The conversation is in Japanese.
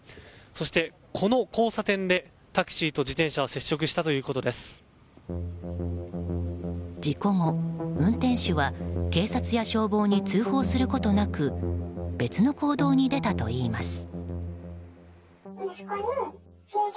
そしてこの交差点でタクシーと自転車は事故後、運転手は警察や消防に通報することなく別の行動に出たといいます。